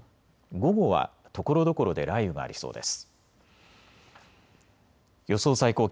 午後はところどころで雷雨がありそうです。